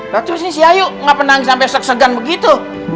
lah terusin si ayu kenapa nangis sampe segan segan begitu